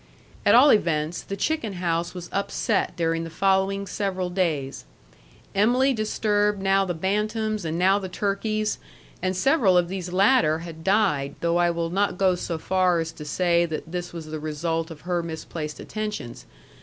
At all events, the chicken house was upset during the following several days. Em'ly disturbed now the bantams and now the turkeys, and several of these latter had died, though I will not go so far as to say that this was the result of her misplaced attentions.